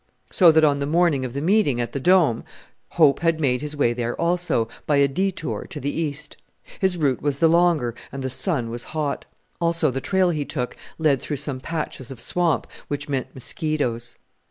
So that on the morning of the meeting at the Dome Hope had made his way there also, by a detour to the east. His route was the longer, and the sun was hot. Also the trail he took led through some patches of swamp, which meant mosquitoes.